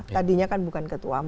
tadinya bukan ketua